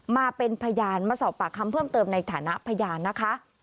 มาเป็นพยานมาสอบปากคำเพิ่มเติมในฐานะพยานนะคะ